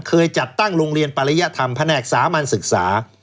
จัดตั้งโรงเรียนปริยธรรมแผนกสามัญศึกษา